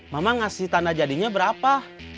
mama ngasih tanda jadinya berapa